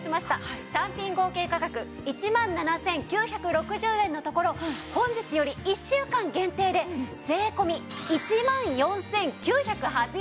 単品合計価格１万７９６０円のところ本日より１週間限定で税込１万４９８０円です。